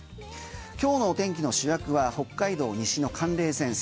今日の天気の主役は北海道西の寒冷前線